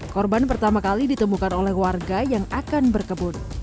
korban pertama kali ditemukan oleh warga yang akan berkebun